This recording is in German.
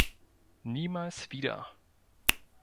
Niemals wieder!